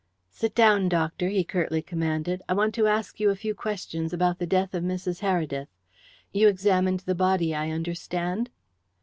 "Sit down, doctor," he curtly commanded. "I want to ask you a few questions about the death of Mrs. Heredith. You examined the body, I understand?"